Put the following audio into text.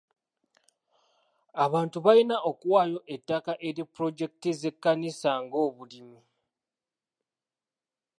Abantu balina okuwaayo ettaka eri pulojekiti z'ekkanisa ng'obulimi.